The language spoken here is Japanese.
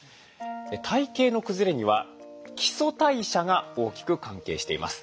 体形のくずれには基礎代謝が大きく関係しています。